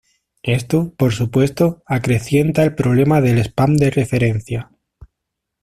Esto, por supuesto, acrecienta el problema del spam de referencia.